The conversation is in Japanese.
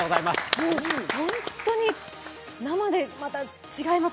本当に生でまた違います。